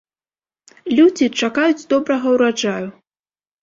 Людзі чакаюць добрага ўраджаю.